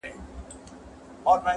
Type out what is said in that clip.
پر دوکان بېهوښه ناست لکه لرګی وو.!